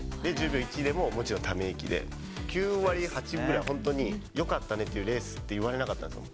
１０秒１でももちろんため息で、９割８分ぐらい、本当に、よかったね、レースって言われなかったんですよ。